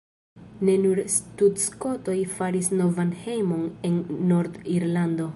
Ne nur sudskotoj faris novan hejmon en Nord-Irlando.